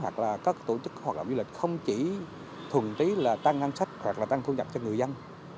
tổ chức hoạt động du lịch không chỉ thuần trí là tăng ngăn sách hoặc là tăng thu nhập cho người dân